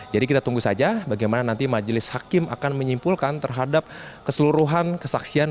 jadi kita tunggu saja bagaimana nanti majelis hakim akan menyimpulkan terhadap keseluruhan kesaksian